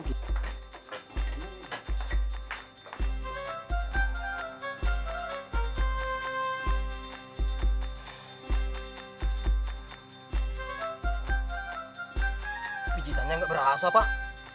pijitannya gak berasa pak